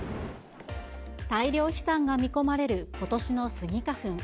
大量飛散が見込まれる、ことしのスギ花粉。